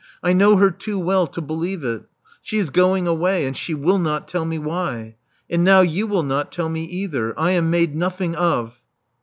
*'I know her too well to believe it. She is going away; and she will not tell me why. And now you will not tell me either. I am made nothing of.